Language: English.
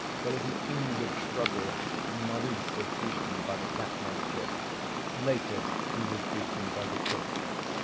There was an inward struggle and Maurice was beaten by the cat nature. Later he was beaten by the cook.